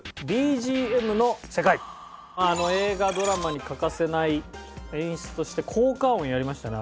映画ドラマに欠かせない演出として効果音やりましたね